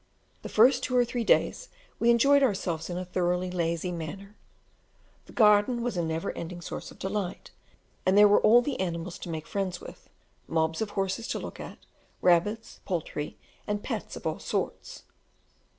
The first two or three days we enjoyed ourselves in a thoroughly lazy manner; the garden was a never ending source of delight, and there were all the animals to make friends with, "mobs" of horses to look at, rabbits, poultry, and pets of all sorts.